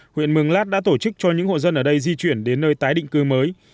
huyện mường lát đã tổ chức cho những hộ dân ở đây di chuyển đến nơi tái định cư mới